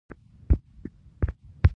سودي نظام بېانصافه دی.